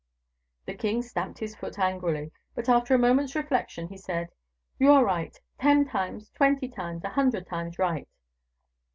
The king stamped his foot angrily; but after a moment's reflection, he said, "You are right ten times, twenty times, a hundred times right."